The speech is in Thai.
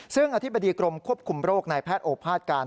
ซึ่งอธิบดีกรมควบคุมโรคในแพทย์โอภาษการ